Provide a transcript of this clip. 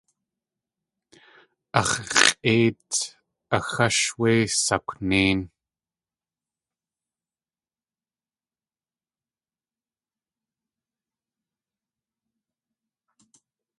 Ax̲ x̲ʼéit axásh wé sakwnéin.